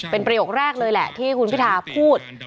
เป็นประโยคแรกเลยแหละที่คุณพิทาพูด